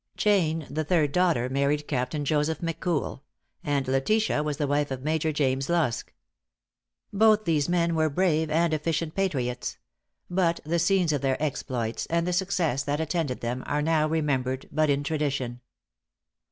Jane, the third daughter, married Captain Joseph McCool; and Letitia was the wife of Major James Lusk. Both these were brave and efficient patriots; but the scenes of their exploits, and the success that attended them, are now remembered but in tradition.